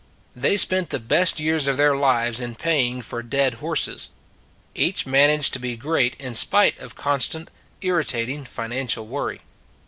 They spent the best years of their lives in paying for dead horses. Each managed to be great in spite of constant, irritating financial worry.